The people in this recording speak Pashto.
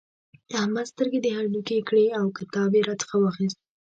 احمد سترګې د هډوکې کړې او کتاب يې راڅخه واخيست.